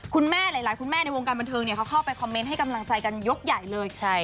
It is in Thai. คุณแม่หลายคุณแม่ในวงการบันเทิงเขาเข้าไปคอมเมนต์ให้กำลังใจกันยกใหญ่เลย